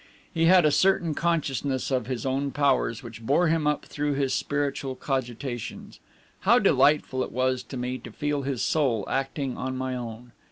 He had a certain consciousness of his own powers which bore him up through his spiritual cogitations. How delightful it was to me to feel his soul acting on my own!